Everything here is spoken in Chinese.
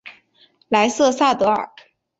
莱瑟萨尔德。